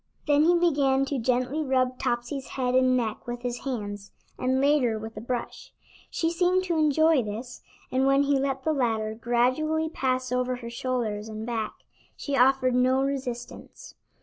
Then he began to gently rub Topsy's head and neck with his hands, and later with a brush. She seemed to enjoy this, and when he let the latter gradually pass over her shoulders and back, she offered no resistance.